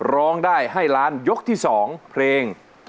ร้องได้ให้ล้านยกที่๒เพลง